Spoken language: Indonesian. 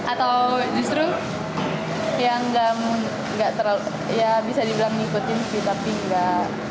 atau justru yang bisa dibilang ngikutin sih tapi enggak